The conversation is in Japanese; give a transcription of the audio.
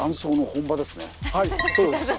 はいそうです。